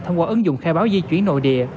thông qua ứng dụng khai báo di chuyển nội địa